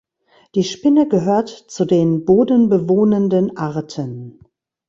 Die Spinne gehört zu den bodenbewohnenden Arten.